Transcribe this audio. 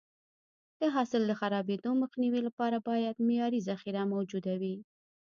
د حاصل د خرابېدو مخنیوي لپاره باید معیاري ذخیره موجوده وي.